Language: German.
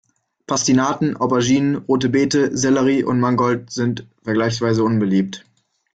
Pastinaken, Auberginen, rote Beete, Sellerie und Mangold sind vergleichsweise unbeliebt.